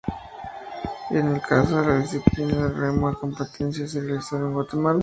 En el caso de la disciplina de remo, las competiciones se realizaron en Guatemala.